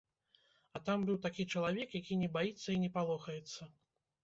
А там быў такі чалавек, які не баіцца і не палохаецца.